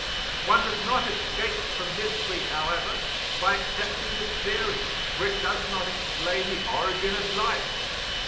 One does not escape from mystery, however, by accepting this theory, for it does not explain the origin of life.